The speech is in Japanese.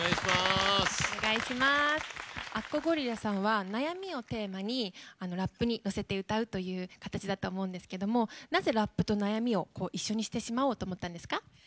あっこゴリラさんは悩みをテーマにラップに乗せて歌うという形だと思うんですけどなぜラップと悩みを一緒にしてしまおうと思ったんですか？